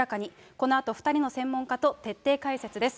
このあと、２人の専門家と徹底解説です。